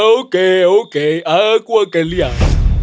oke oke aku akan lihat